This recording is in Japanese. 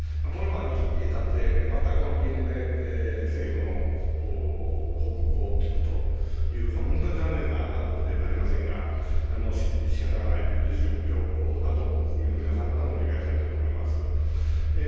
この場に立って、またこの議運で政府の報告を聞くというのは、本当に残念なことでなりませんが、もうしかたがないという状況だと、国民の皆さん方も理解されていると思います。